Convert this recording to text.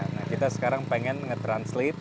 nah kita sekarang pengen nge translate